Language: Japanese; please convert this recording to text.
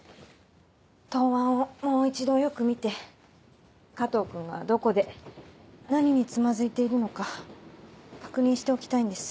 答案をもう一度よく見て加藤君がどこで何につまずいているのか確認しておきたいんです。